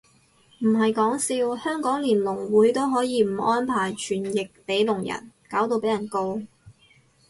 唔係講笑，香港連聾會都可以唔安排傳譯俾聾人，搞到被人告